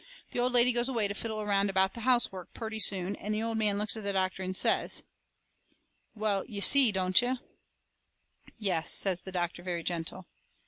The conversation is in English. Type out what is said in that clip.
The old lady goes away to fiddle around about the housework purty soon and the old man looks at the doctor and says: "Well, you see, don't you?" "Yes," says the doctor, very gentle.